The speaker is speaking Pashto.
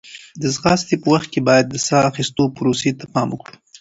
د ځغاستې په وخت کې باید د ساه اخیستو پروسې ته پام وکړو.